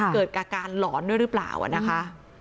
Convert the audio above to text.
เกิดอาการหลอนด้วยหรือเปล่านะคะ